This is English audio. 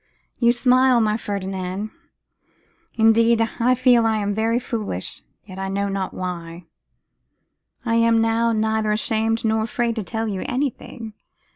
You smile, my Ferdinand. Indeed I feel I am very foolish, yet I know not why, I am now neither ashamed nor afraid to tell you anything.